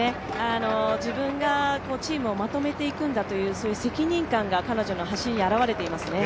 自分がチームをまとめていくんだという責任感が彼女の走りに現れていますね。